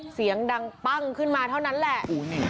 เสียงดังปั้งขึ้นมาเท่านั้นแหละ